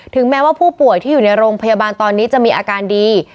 แม้ว่าผู้ป่วยที่อยู่ในโรงพยาบาลตอนนี้จะมีอาการดี